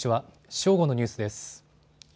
正午のニュースです。